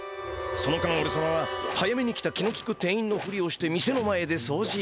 その間おれさまは早めに来た気のきく店員のふりをして店の前でそうじ。